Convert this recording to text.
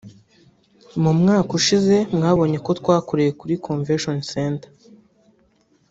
mu mwaka ushize mwabonye ko twakoreye kuri Convention Center